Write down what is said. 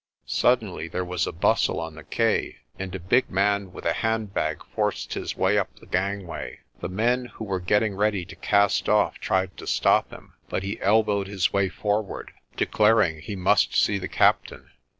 Suddenly there was a bustle on the quay, and a big man with a handbag forced his way up the gangway. The men who were getting ready to cast off tried to stop him, but he elbowed his way forward, declaring he must see the captain.